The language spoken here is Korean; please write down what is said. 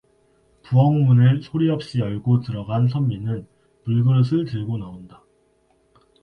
부엌문을 소리 없이 열고 들어간 선비는 물그릇을 들고 나온다.